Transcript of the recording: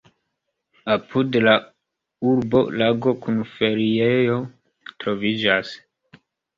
Apud la urbo lago kun feriejo troviĝas.